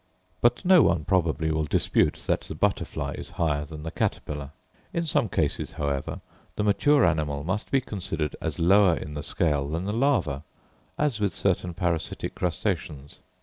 But no one probably will dispute that the butterfly is higher than the caterpillar. In some cases, however, the mature animal must be considered as lower in the scale than the larva, as with certain parasitic crustaceans.